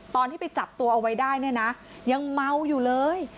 ตอนที่ไปจับตัวเอาไว้ได้เนี่ยนะยังเมาอยู่เลย